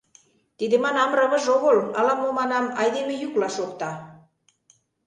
Тиде, манам, рывыж огыл: ала-мо, манам, айдеме йӱкла шокта...